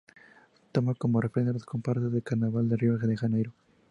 Tomó como referencia las comparsas del Carnaval de Río de Janeiro.